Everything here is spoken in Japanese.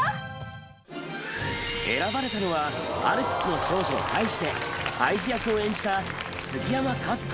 選ばれたのは『アルプスの少女ハイジ』でハイジ役を演じた杉山佳寿子。